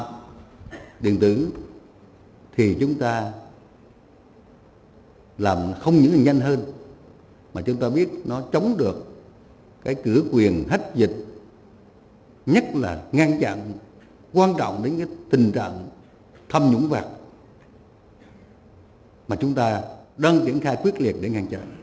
chính phủ điện tử thì chúng ta làm không những là nhanh hơn mà chúng ta biết nó chống được cái cử quyền hết dịch nhất là ngăn chặn quan trọng đến cái tình trạng thâm nhũng vặt mà chúng ta đang triển khai quyết liệt để ngăn chặn